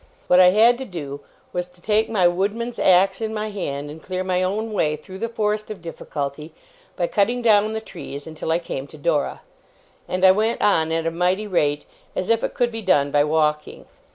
What I had to do, was, to take my woodman's axe in my hand, and clear my own way through the forest of difficulty, by cutting down the trees until I came to Dora. And I went on at a mighty rate, as if it could be done by walking.